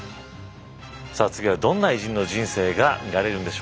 さあ次はどんな偉人の人生が見られるんでしょうか。